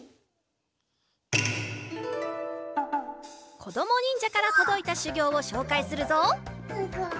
こどもにんじゃからとどいたしゅぎょうをしょうかいするぞ！